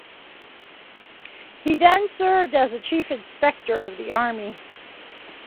He then served as Chief Inspector of the Army.